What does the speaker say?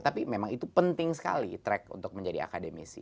tapi memang itu penting sekali track untuk menjadi akademisi